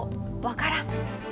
わからん。